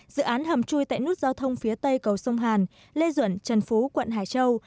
dự án hầm chui tại nút giao thông phía tây cầu sông hàn lê duẩn trần phú quận hải châu